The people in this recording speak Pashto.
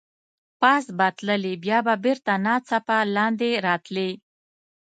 پاس به تللې، بیا به بېرته ناڅاپه لاندې راتلې.